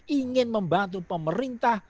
ingin membantu pemerintah